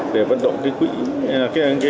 để vận động cái quỹ cái hỗ trợ